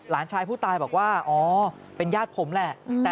หลานชายผู้ตายบอกว่าอ๋อเป็นญาติผมแหละ